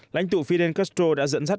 lãnh thụ fidel castro đã dẫn dắt